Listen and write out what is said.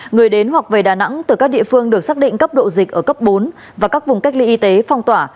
người đến hoặc về đà nẵng từ các địa phương được xác định cấp độ dịch ở cấp bốn và các vùng cách ly y tế phong tỏa